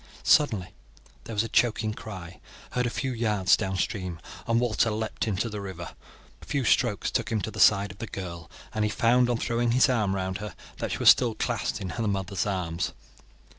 Suddenly there was a choking cry heard a few yards down stream, and Walter leapt into the river. A few strokes took him to the side of the girl, and he found, on throwing his arm round her, that she was still clasped in her mother's arms.